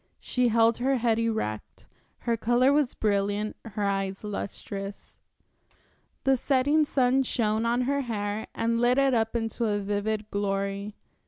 She held her head erect, her color was brilliant, her eyes lustrous. The setting sun shone on her hair and lit it up into a vivid glory.